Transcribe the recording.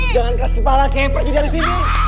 jangan keras kepala kay pergi dari sini